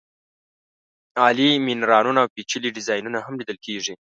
عالي مېنارونه او پېچلي ډیزاینونه هم لیدل کېږي.